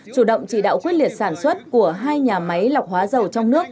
chủ động chỉ đạo quyết liệt sản xuất của hai nhà máy lọc hóa dầu trong nước